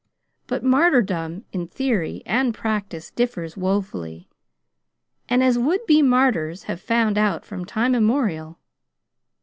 But martyrdom in theory and practice differs woefully, as would be martyrs have found out from time immemorial.